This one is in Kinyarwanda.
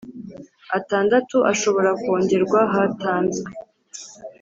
Atandatu ashobora kongerwa hatanzwe